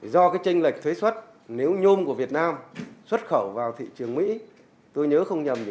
do cái tranh lệch thuế xuất nếu nhôm của việt nam xuất khẩu vào thị trường mỹ tôi nhớ không nhầm chỉ có một mươi năm